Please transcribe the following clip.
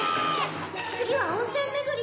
次は温泉巡り。